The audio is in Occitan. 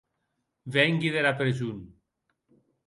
Vengui dera preson.